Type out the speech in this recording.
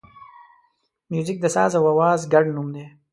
موزیک د ساز او آواز ګډ نوم دی.